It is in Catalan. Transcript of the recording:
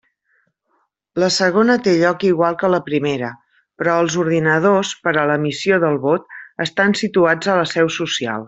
La segona té lloc igual que la primera, però els ordinadors per a l'emissió del vot estan situats a la seu social.